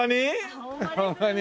ホンマに？